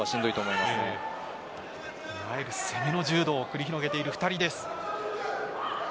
いわゆる攻めの柔道を繰り広げている２人です。